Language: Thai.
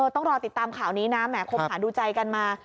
ต้องรอติดตามข่าวนี้นะแหมคบหาดูใจกันมา